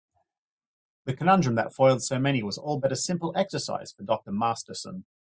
The conundrum that foiled so many was all but a simple exercise for Dr. Masterson.